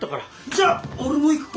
じゃ俺も行くか！